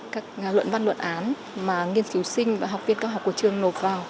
các luận văn luận án mà nghiên cứu sinh và học viên cao học của trường nộp vào